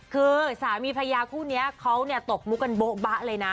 คือสามีพระยาคู่นี้เขาตกมุกกันโบ๊ะบะเลยนะ